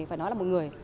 phải nói là một người